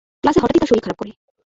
ক্লাসে হঠাৎই ওর শরীর খারাপ করে।